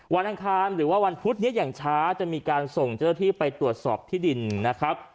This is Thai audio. อังคารหรือว่าวันพุธนี้อย่างช้าจะมีการส่งเจ้าหน้าที่ไปตรวจสอบที่ดินนะครับ